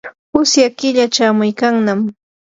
usya killa chamuykannami.